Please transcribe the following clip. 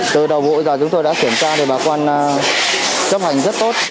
từ đầu mỗi giờ chúng tôi đã kiểm tra bà con chấp hành rất tốt